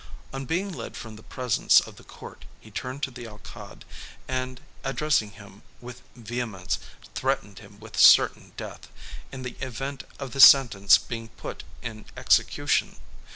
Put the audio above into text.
On being led from the presence of the court, he turned to the Alcalde, and addressing him with vehemence, threatened him with certain death, in the event of the sentence being put in execution.